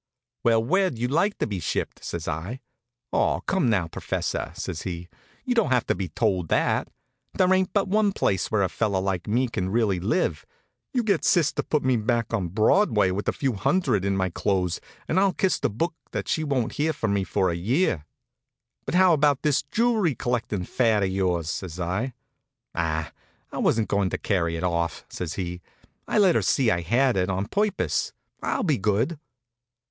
"Well, where'd you like to be shipped?" says I. "Aw, come now, professor," says he. "You don't have to be told that. There ain't but one place where a fellow like me can really live. You get sis to put me back on Broadway with a few hundred in my clothes, and I'll kiss the Book that she won't hear from me for a year." "But how about this jewelry collectin' fad of yours?" says I. "Ah, I wasn't going to carry it off," says he. "I let her see I had it, on purpose. I'll be good."